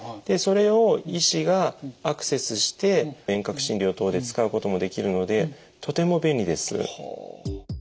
でそれを医師がアクセスして遠隔診療等で使うこともできるのでとても便利です。